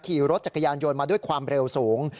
ขี่รถจักรยานยนต์มาด้วยความเร็วสูง